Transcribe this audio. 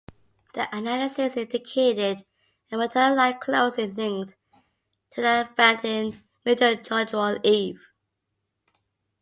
The analysis indicated a maternal line closely linked to that found in "Mitochondrial Eve".